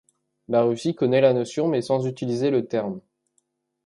La Russie connaît la notion, mais sans utiliser le terme.